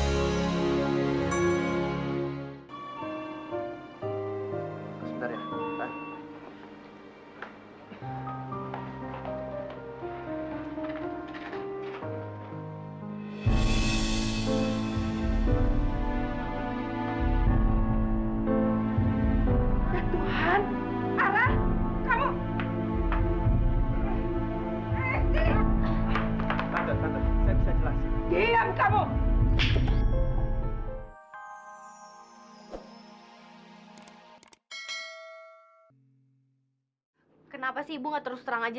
sampai jumpa di video selanjutnya